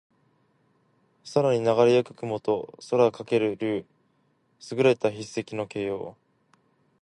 空にながれ行く雲と空翔ける竜。能書（すぐれた筆跡）の形容。